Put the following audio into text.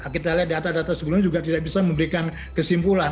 kita lihat data data sebelumnya juga tidak bisa memberikan kesimpulan